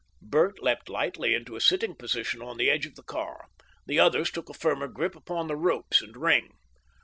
Bert leapt lightly into a sitting position on the edge of the car. The others took a firmer grip upon the ropes and ring.